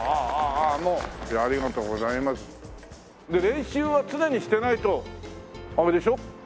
練習は常にしてないとあれでしょ？